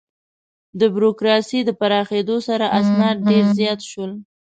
د بروکراسي د پراخېدو سره، اسناد ډېر زیات شول.